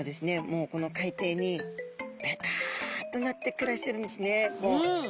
もうこの海底にベタッとなって暮らしてるんですね。